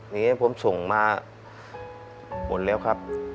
นี่ผมส่งมาหมดแล้วครับ